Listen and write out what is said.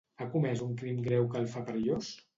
Ha comès un crim greu que el fa perillós?